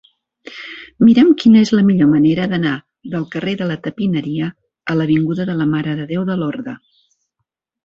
Mira'm quina és la millor manera d'anar del carrer de la Tapineria a l'avinguda de la Mare de Déu de Lorda.